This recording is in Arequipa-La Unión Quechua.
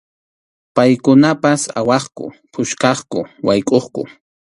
Paykunapas awaqku, puskaqku, waykʼuqku.